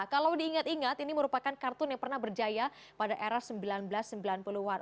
kalau diingat ingat ini merupakan kartun yang pernah berjaya pada era seribu sembilan ratus sembilan puluh an